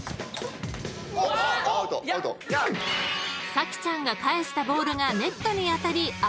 ［咲ちゃんが返したボールがネットに当たりアウト］